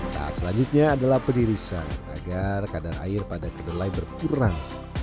tahap selanjutnya adalah penirisan agar kadar air pada kedelai berkurang